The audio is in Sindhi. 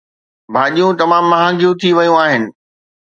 ڀاڄيون تمام مهانگيون ٿي ويون آهن